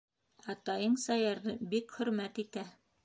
Атайың Саярҙы бик хөрмәт итә.